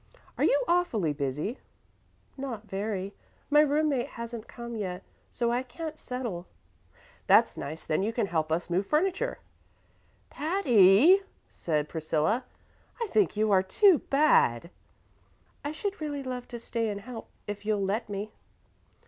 "Are you awfully busy?" "Not very. My room mate hasn't come yet, so I can't settle." "That's nice; then you can help us move furniture." "Patty!" said Priscilla, "I think you are too bad." "I should really love to stay and help, if you'll let me."